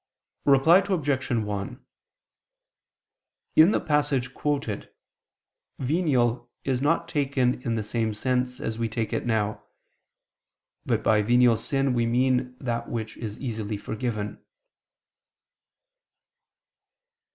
Reply Obj. 1: In the passage quoted, venial is not taken in the same sense as we take it now; but by venial sin we mean that which is easily forgiven.